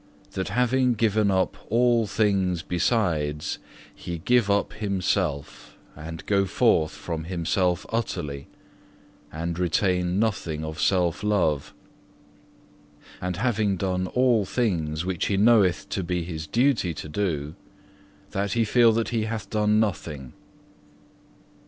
That having given up all things besides, he give up himself and go forth from himself utterly, and retain nothing of self love; and having done all things which he knoweth to be his duty to do, that he feel that he hath done nothing.